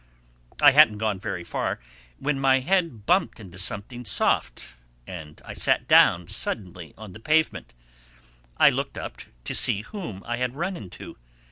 I hadn't gone very far when my head bumped into something soft and I sat down suddenly on the pavement. I looked up to see whom I had run into.